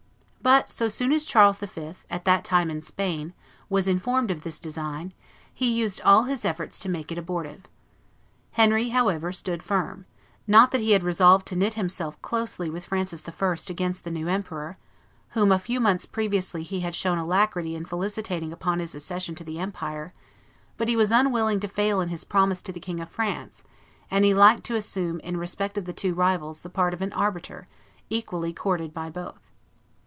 But, so soon as Charles V., at that time in Spain, was informed of this design, he used all his efforts to make it abortive. Henry, however, stood firm; not that he had resolved to knit himself closely with Francis I. against the new emperor, whom, a few months previously, he had shown alacrity in felicitating upon his accession to the empire, but he was unwilling to fail in his promise to the King of France, and he liked to assume in respect of the two rivals the part of an arbiter equally courted by both.